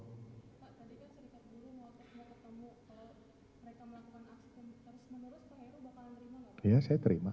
terus menurut pak heru bapak akan terima gak